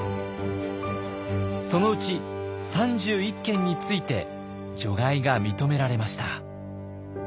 そのうち３１件について除外が認められました。